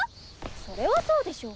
それはそうでしょ。